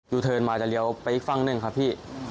เทิร์นมาจะเลี้ยวไปอีกฝั่งหนึ่งครับพี่